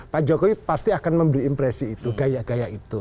pak jokowi pasti akan memberi impresi itu gaya gaya itu